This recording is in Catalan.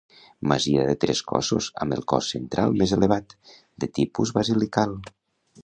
Masia de tres cossos, amb el cos central més elevat, de tipus basilical.